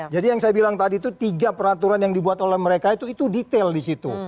jadi yang saya bilang tadi itu tiga peraturan yang dibuat oleh mereka itu detail di situ